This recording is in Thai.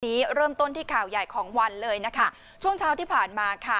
เริ่มต้นที่ข่าวใหญ่ของวันเลยนะคะช่วงเช้าที่ผ่านมาค่ะ